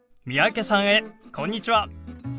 三宅さんへこんにちは！